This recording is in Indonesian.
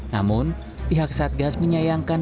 namun pihak satgas menyayangkan